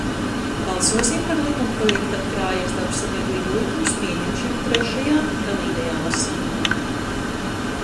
"Balsosim par likumprojekta "Krājaizdevu sabiedrību likums" pieņemšanu trešajā, galīgajā, lasījumā."